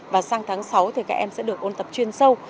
và sang tháng sáu thì các em sẽ được ôn tập chuyên sâu